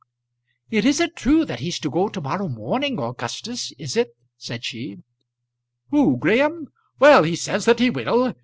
"It isn't true that he's to go to morrow morning, Augustus, is it?" said she. "Who, Graham? Well; he says that he will.